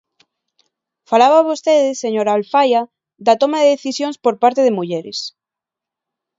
Falaba vostede, señora Alfaia, da toma de decisións por parte de mulleres.